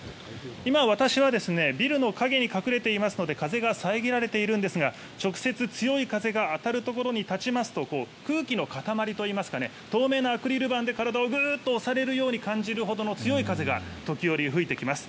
今、私はビルの陰に隠れていますので風が遮られているんですが直接、強い風が当たるところに立ちますと空気の塊といいますか透明なアクリル板で体をグッと押されるように感じるような強い風を感じます。